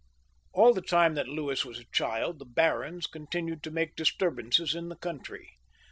All the time that Louis was a child, the barons con tinued to make disturbances in the country.